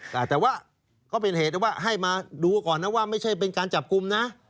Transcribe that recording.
แต่ว่าเขาเป็นเหตุว่าให้มาดูก่อนนะว่าไม่ใช่เป็นการจับกลุ่มนะ